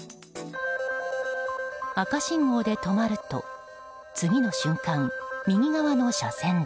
赤信号で止まると次の瞬間、右側の車線で。